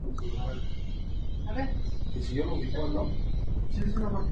Además, en las zonas altas se colocarán miradores que ofrecerán vistas panorámicas de Dubái.